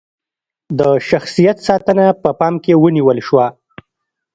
د شخصیت ساتنه په پام کې ونیول شوه.